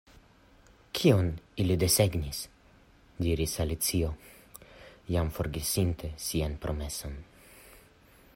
"Kion ili desegnis?" diris Alicio, jam forgesinte sian promeson.